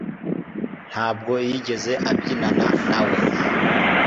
Ntabwo yigeze abyinana nawe